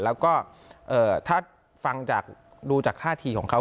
แล้วก็ถ้าฟังจากดูจากท่าทีของเขา